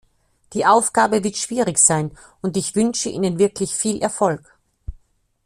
Die Aufgabe wird schwierig sein, und ich wünsche Ihnen wirklich viel Erfolg.